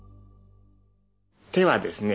手はですね